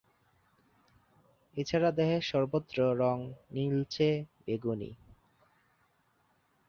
এছাড়া দেহের সর্বত্র রঙ নীলচে বেগুনি।